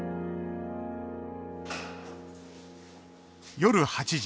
夜８時。